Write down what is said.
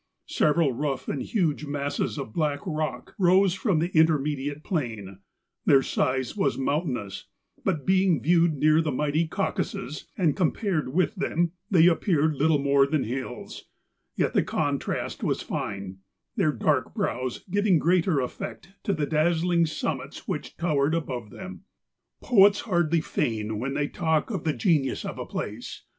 Several rough and huge masses of black rock rose from the interme¬ diate plain, their size was mountainous ; but being viewed near the mighty Caucasus, and compared with them, they appeared little more than hills ; yet the contrast was fine, their dark brows giving greater effect to the dazzling summits which towered above them. Poets hardly feign when they talk of the 182 MOUNTAIN ADVENTURES. g'enius of a place.